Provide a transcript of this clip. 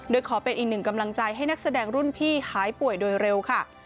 โดยขอเป็นอีกหนึ่งกำลังใจให้นักแสดงรุ่นพี่หายป่วยโดยเร็วค่ะ